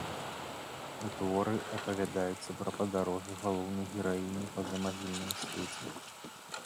У творы апавядаецца пра падарожжа галоўнай гераіні па замагільным свеце.